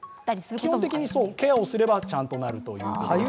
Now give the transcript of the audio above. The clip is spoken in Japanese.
基本的にケアをすればちゃんとなるということです。